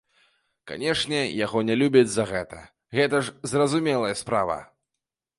Канешне, яго не любяць за гэта, гэта ж зразумелая справа.